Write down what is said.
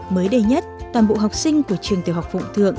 mới đây nhất toàn bộ học sinh của trường tiểu học phụng thượng